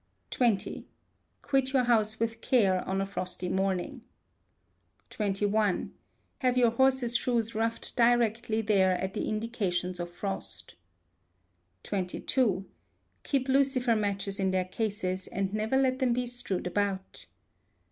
xx. Quit your house with care on a frosty morning. xxi. Have your horses' shoes roughed directly there are indications of frost. xxii. Keep lucifer matches in their cases, and never let them be strewed about.